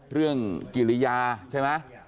เรื่องกิริยาใช่ไหม